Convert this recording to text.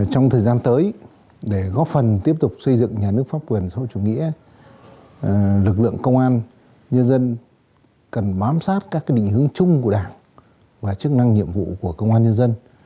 trong thời gian tới để góp phần tiếp tục xây dựng nhà nước pháp quyền sau chủ nghĩa lực lượng công an nhân dân cần bám sát các định hướng chung của đảng và chức năng nhiệm vụ của công an nhân dân